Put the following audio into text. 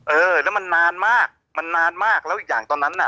เออแล้วมันนานมากมันนานมากแล้วอีกอย่างตอนนั้นน่ะ